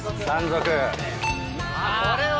これは。